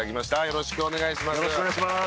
よろしくお願いします。